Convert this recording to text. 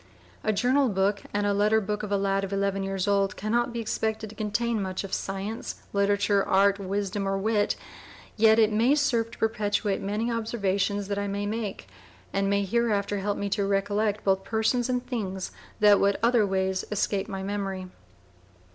A Journal Book and a letter Book of a Lad of Eleven years old Can not be expected to Contain much of Science, Literature, arts, wisdom, or wit, yet it may serve to perpetuate many observations that I may make, and may hereafter help me to recollect both persons and things that would other ways escape my memory.